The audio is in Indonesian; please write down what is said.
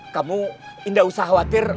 kamu indah usah khawatir